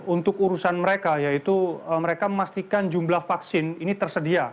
untuk urusan mereka yaitu mereka memastikan jumlah vaksin ini tersedia